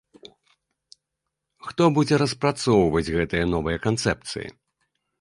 Хто будзе распрацоўваць гэтыя новыя канцэпцыі?